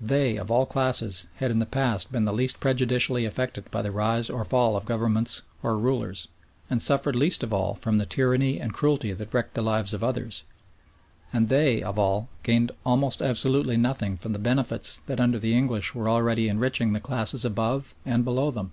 They, of all classes, had in the past been the least prejudicially affected by the rise or fall of Governments or rulers, and suffered least of all from the tyranny and cruelty that wrecked the lives of others, and they, of all, gained almost absolutely nothing from the benefits that under the English were already enriching the classes above and below them.